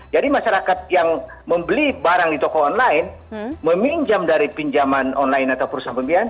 jadi masyarakat yang membeli barang di toko online meminjam dari pinjaman online atau perusahaan pembiayaan